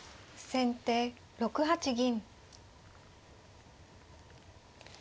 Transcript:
先手６八銀。